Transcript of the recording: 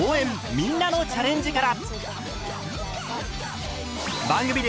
みんなのチャレンジ」から！